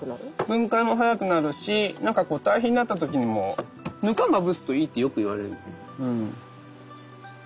分解も早くなるしなんかこうたい肥になった時にもぬかまぶすといいってよく言われる。